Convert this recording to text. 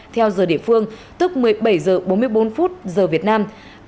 theo giờ địa phương tức một mươi bảy h bốn mươi bốn giờ việt nam